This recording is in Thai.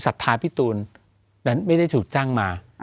ศัตริ์ท้ายที่พี่ตูนแล้วไม่ได้ถูกจ้างมา